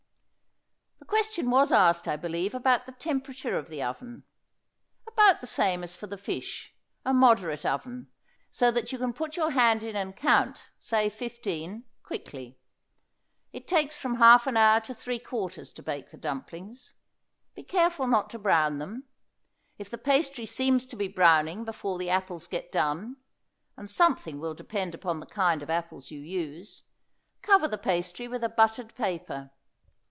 The question was asked, I believe, about the temperature of the oven. About the same as for the fish a moderate oven, so you can put your hand in and count, say fifteen, quickly. It takes from half an hour to three quarters to bake the dumplings. Be careful not to brown them. If the pastry seems to be browning before the apples get done, and something will depend upon the kind of apples you use, cover the pastry with a buttered paper.